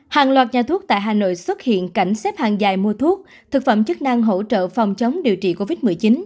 hàng loạt nhà thuốc tại hà nội xuất hiện cảnh xếp hàng dài mua thuốc thực phẩm chức năng hỗ trợ phòng chống điều trị covid một mươi chín